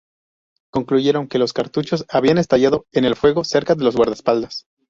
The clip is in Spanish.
Concluyeron que los cartuchos habían estallado en el fuego cerca de los guardaespaldas.